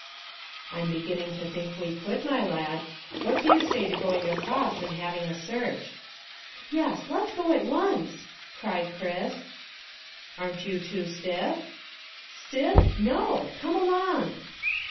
"I'm beginning to think we could, my lad. What do you say to going across and having a search?" "Yes; let's go at once," cried Chris. "Aren't you too stiff?" "Stiff? No. Come along!"